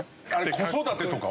「子育て」とかは？